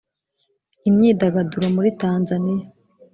imyidagaduro muri tanzania